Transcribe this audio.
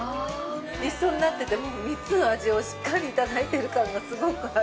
一緒になってて、３つの味をしっかりいただいてる感がすごくある。